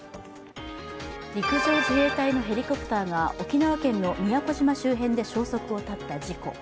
陸上自衛隊のヘリコプターが沖縄県の宮古島周辺で消息を絶った事故。